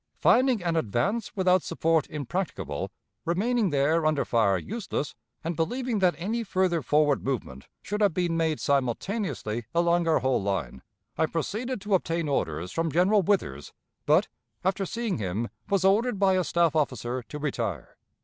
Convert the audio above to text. Finding an advance without support impracticable, remaining there under fire useless, and believing that any further forward movement should have been made simultaneously along our whole line, I proceeded to obtain orders from General Withers, but, after seeing him, was ordered by a staff officer to retire.